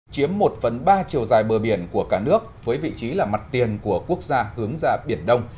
chiếm một phần ba chiều dài bờ biển của cả nước với vị trí là mặt tiền của quốc gia hướng ra biển đông